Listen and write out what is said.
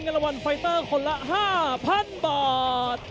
เงินละวัลไฟเตอร์คนละ๕๐๐๐บอร์ด